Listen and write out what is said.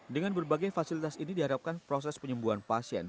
dengan berbagai fasilitas ini diharapkan proses penyembuhan pasien